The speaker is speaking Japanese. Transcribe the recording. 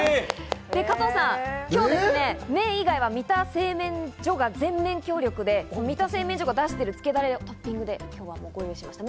加藤さん、今日、麺以外は三田製麺所が全面協力で三田製麺所が出しているつけダレをトッピングで今日はご用意しました。